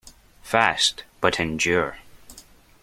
Fast, but endure.